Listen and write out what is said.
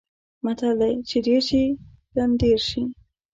متل: چې ډېر شي؛ ګنډېر شي.